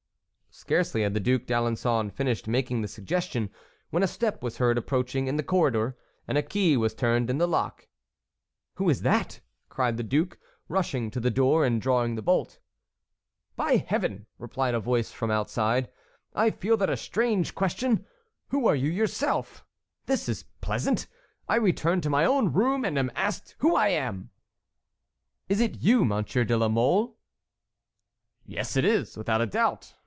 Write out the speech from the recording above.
Scarcely had the Duc d'Alençon finished making the suggestion, when a step was heard approaching in the corridor, and a key was turned in the lock. "Who is that?" cried the duke, rushing to the door and drawing the bolt. "By Heaven!" replied a voice from outside; "I find that a strange question. Who are you yourself? This is pleasant! I return to my own room, and am asked who I am!" "Is it you, Monsieur de la Mole?" "Yes, it is I, without a doubt.